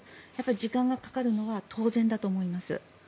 時間がかかるのは当然だと思います。